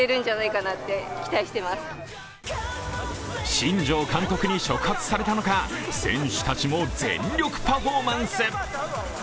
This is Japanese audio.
新庄監督に触発されたのか、選手たちも全力パフォーマンス。